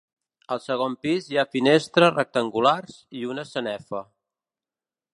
Al segon pis hi ha finestres rectangulars i una sanefa.